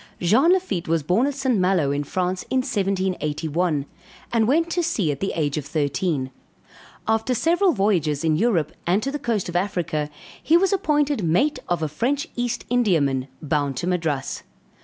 _ Jean Lafitte, was born at St. Maloes in France, in 1781, and went to sea at the age of thirteen; after several voyages in Europe, and to the coast of Africa, he was appointed mate of a French East Indiaman, bound to Madras.